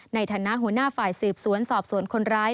ในฐานะหัวหน้าฝ่ายสืบสวนสอบสวนคนร้าย